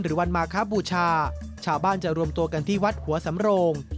วันมาครับบูชาชาวบ้านจะรวมตัวกันที่วัดหัวสำโรง